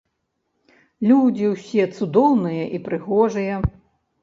Людзі ўсе цудоўныя і прыгожыя.